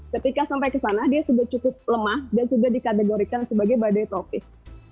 ketika sampai ke sana dia sudah cukup lemah dan sudah dikategorikan sebagai badai tropis